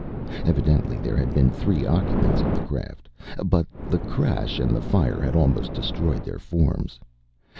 Evidently there had been three occupants of the craft. But the crash and the fire had almost destroyed their forms.